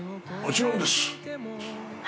もちろんです。